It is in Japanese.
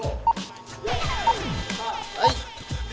はい！